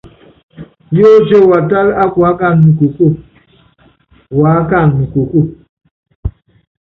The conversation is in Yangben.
Yótíe watála ákuákana nukokóo, uákana nukokóo.